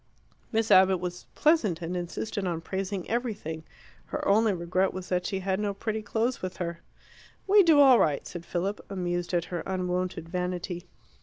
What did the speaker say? Miss Abbott was pleasant, and insisted on praising everything: her only regret was that she had no pretty clothes with her. "We do all right," said Philip, amused at her unwonted vanity.